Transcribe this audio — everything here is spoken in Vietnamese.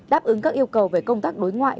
đáp ứng các yêu cầu về công tác đối ngoại